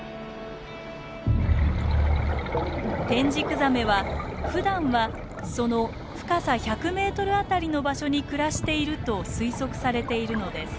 テンジクザメはふだんはその深さ１００ｍあたりの場所に暮らしていると推測されているのです。